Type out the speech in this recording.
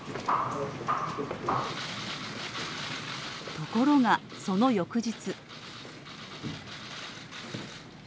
ところが、その翌日。